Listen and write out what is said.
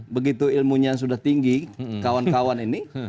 begitu ilmunya sudah tinggi kawan kawan ini